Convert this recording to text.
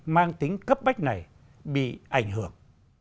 mang tính cấp bách này bị ảnh hưởng